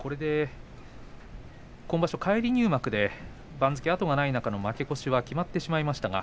今場所、返り入幕で番付が後がない中での負け越しが決まってしまいましたが